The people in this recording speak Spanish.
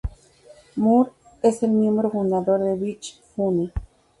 Moore es el miembro fundador de Bitches Funny.